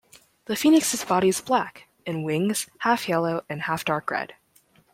The phoenix's body is black and wings half yellow and half dark red.